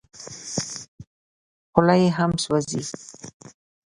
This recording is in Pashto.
خوله یې هم سوځي .